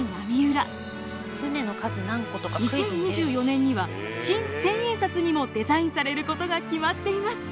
２０２４年には新千円札にもデザインされることが決まっています。